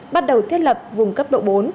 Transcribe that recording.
bắt đầu thiết lập vùng cấp độ bốn